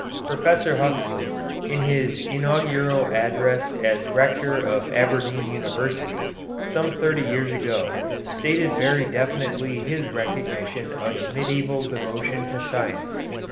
Professor Huxley in his "Inaugural Address as Rector of Aberdeen University" some thirty years ago stated very definitely his recognition of medieval devotion to science.